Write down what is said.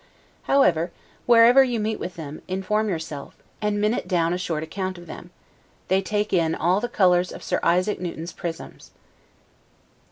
However, wherever you meet with them, inform yourself, and minute down a short account of them; they take in all the colors of Sir Isaac Newton's prisms.